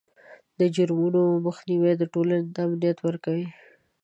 د جرمونو مخنیوی ټولنې ته امنیت ورکوي.